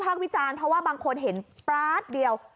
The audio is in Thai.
วิจารณ์เพราะว่าบางคนเห็นป๊าดเดียว